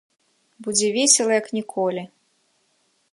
Будзе весела, як ніколі.